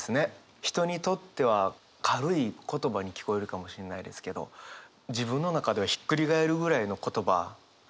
人にとっては軽い言葉に聞こえるかもしれないですけど自分の中ではひっくり返るぐらいの言葉なんでしょうね。